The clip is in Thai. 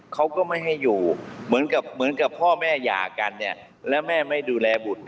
เขาก็ไม่ให้อยู่เหมือนกับพ่อแม่หย่ากันและแม่ไม่ดูแลบุตร